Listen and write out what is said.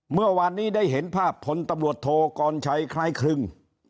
เมื่อวานนี้ได้เห็นภาพผลตำรวจโทกรชัยคล้ายครึ่ง